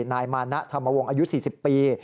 นายมานะธรรมวงศ์อายุ๔๐ปี